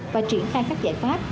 và triển khai các giải pháp